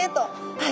はい。